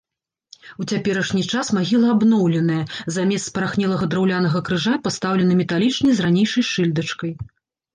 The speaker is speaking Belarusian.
У цяперашні час магіла абноўленая, замест спарахнелага драўлянага крыжа пастаўлены металічны з ранейшай шыльдачкай.